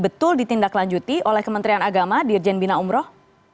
betul ditindaklanjuti oleh kementerian agama dirjen bina umroh